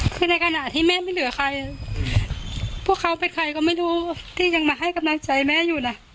คือในขณะที่แม่ไม่เหลือใครพวกเขาเป็นใครก็ไม่รู้ที่ยังมาให้กำลังใจแม่อยู่นะ